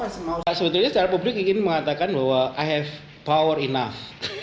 sebetulnya secara publik ingin mengatakan bahwa i have power enough